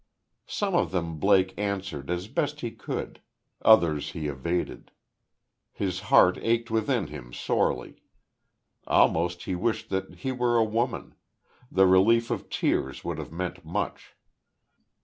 Some of them Blake answered as best he could; others he evaded. His heart ached within him sorely.... Almost he wished that he were a woman; the relief of tears would have meant much.